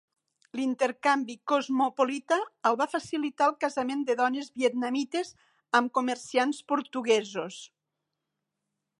L'intercanvi cosmopolita el va facilitar el casament de dones vietnamites amb comerciants portuguesos.